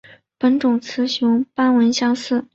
本种雌雄斑纹相似。